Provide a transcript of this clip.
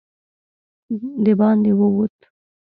د باندې ووت.